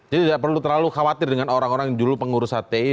jadi gak perlu terlalu khawatir dengan orang orang yang dulu pengurus hti